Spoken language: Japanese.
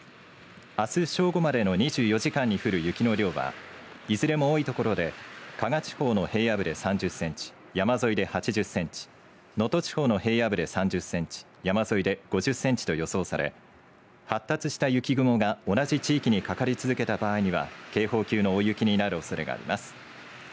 あす正午までの２４時間に降る雪の量はいずれも多い所で加賀地方の平野部で３０センチ山沿いで８０センチ能登地方の平野部で３０センチ山沿いで５０センチと予想され発達した雪雲が同じ地域にかかり続けた場合には警報級の大雪になるおそれがあります。